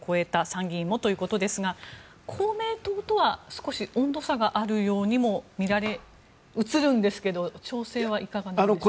参議院もということですが公明党とは少し温度差があるようにも映るんですが調整はいかがでしょうか？